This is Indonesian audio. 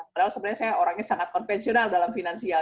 padahal sebenarnya saya orangnya sangat konvensional dalam finansial